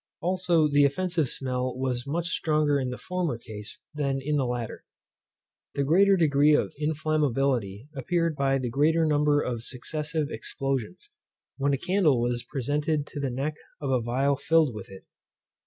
Also the offensive smell was much stronger in the former case than in the latter. The greater degree of inflammability appeared by the greater number of successive explosions, when a candle was presented to the neck of a phial filled with it.